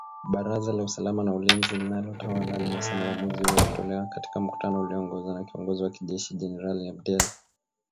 Baraza la usalama na ulinzi linalotawala limesema uamuzi huo ulitolewa katika mkutano ulioongozwa na kiongozi wa kijeshi , Generali Abdel